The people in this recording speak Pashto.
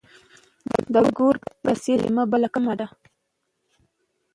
د ګور په څېر کلمه بله کومه ده؟